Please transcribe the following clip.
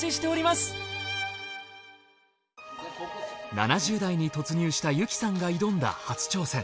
７０代に突入した由紀さんが挑んだ初挑戦。